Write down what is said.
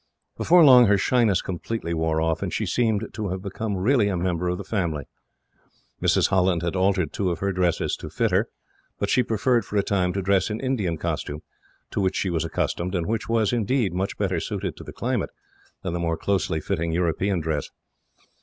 Before long her shyness completely wore off, and she seemed to have become really a member of the family. Mrs. Holland had altered two of her own dresses to fit her, but she preferred, for a time, to dress in Indian costume, to which she was accustomed; and which was, indeed, much better suited to the climate than the more closely fitting European dress.